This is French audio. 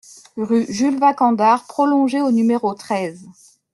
Rue Jules Vacandard Prolongée au numéro treize